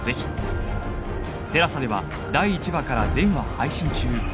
ＴＥＬＡＳＡ では第１話から全話配信中